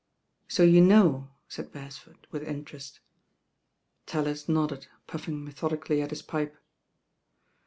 So you know," said Beresford with interest. raUis nodded, puffing methodically at his pipe.